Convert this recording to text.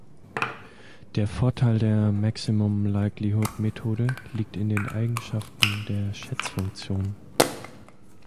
Der Vorteil der Maximum-Likelihood-Methode liegt in den Eigenschaften der Schätzfunktion.